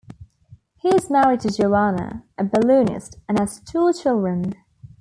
He is married to Joanna, a balloonist, and has two children.